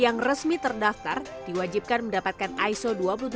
yang resmi terdaftar diwajibkan mendapatkan iso dua puluh tujuh ribu satu